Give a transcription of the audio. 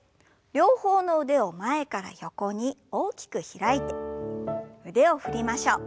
両方の腕を前から横に大きく開いて腕を振りましょう。